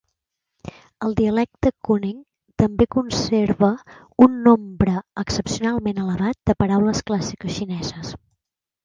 El dialecte "kunming" també conserva un nombre excepcionalment elevat de paraules clàssiques xineses.